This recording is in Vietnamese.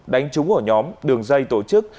đánh trúng ở nhóm đường dây tổ chức